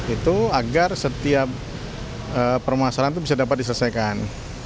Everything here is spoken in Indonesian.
itu agar setiap permasalahan itu bisa dapat diselesaikan